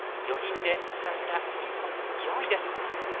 ４人でつかんだ日本、４位です。